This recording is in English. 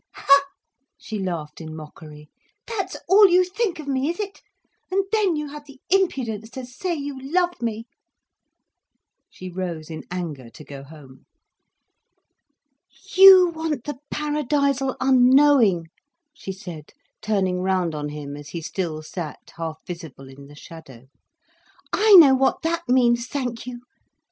"Ha!" she laughed in mockery. "That's all you think of me, is it? And then you have the impudence to say you love me." She rose in anger, to go home. You want the paradisal unknowing," she said, turning round on him as he still sat half visible in the shadow. "I know what that means, thank you.